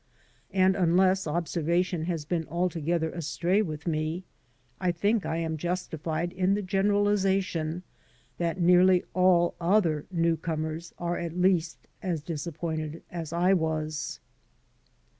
And, unless observation has been alto gether astray with me, I think I am justified in the generalization that nearly all other new comers are at least as disappointed as I was.